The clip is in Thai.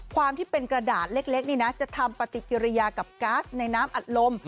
ความที่เป็นกระดาษเล็กนี่นะจะทำปฏิกิริยากับก๊าซในน้ำอัดลม